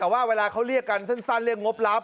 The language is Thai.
แต่ว่าเวลาเขาเรียกกันสั้นเรียกงบรับ